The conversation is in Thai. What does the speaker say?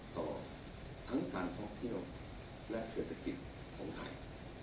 ต่อทั้งการท่องเที่ยวและเศรษฐกิจของไทย